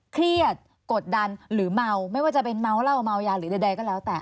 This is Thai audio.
เครียดกดดันหรือเมาไม่ว่าจะเป็นเมาเหล้าเมายาหรือใดก็แล้วแต่